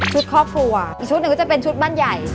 ครอบครัวอีกชุดหนึ่งก็จะเป็นชุดบ้านใหญ่